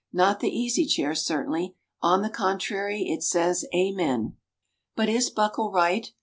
Not the Easy Chair, certainly. On the contrary, it says Amen. But is Buckle right?